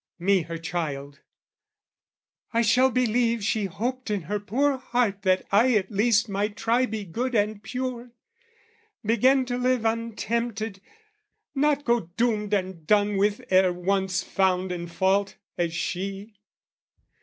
me her child I shall believe she hoped in her poor heart That I at least might try be good and pure, Begin to live untempted, not go doomed And done with ere once found in fault, as she.